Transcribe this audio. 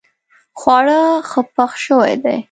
خواړه ښه پخ شوي دي